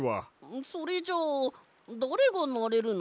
それじゃあだれがなれるの？